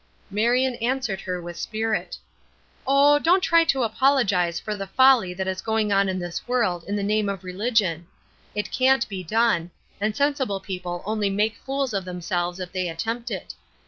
Marion answered her with spirit. "Oh, don't try to apologize for the folly that is going on in this world in the name of religion! It can't be done, and sensible people only make fools of themselves if they attempt it.